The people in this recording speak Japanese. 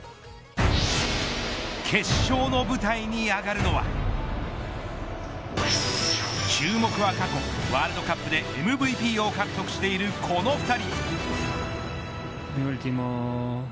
決勝の舞台に上がるのは注目は過去、ワールドカップでＭＶＰを獲得しているこの２人。